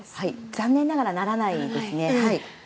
残念ながらならないですね。